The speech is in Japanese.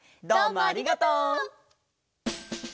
どうもありがとう！